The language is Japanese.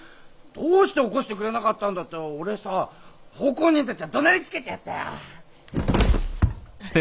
「どうして起こしてくれなかったんだ」って俺さ奉公人たちをどなりつけてやったよ。